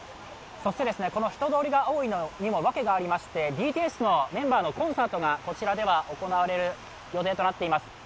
そして、人通りが多いのには訳がありまして、ＢＴＳのメンバーのコンサートがこちらでは行われる予定となっています。